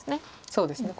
そうですね。